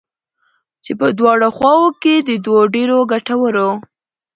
چې په دواړو خواوو كې د دوو ډېرو گټورو